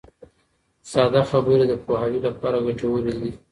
ساده خبرې د پوهاوي لپاره ګټورې دي.